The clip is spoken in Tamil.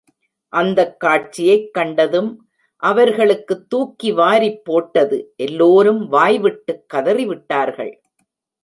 அந்தக் காட்சியைக் கண்டதும், அவர்களுக்குத் துக்கி வாரிப்போட்டது எல்லோரும் வாய்விட்டுக் கதறிவிட்டார்கள்.